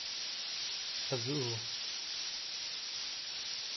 از او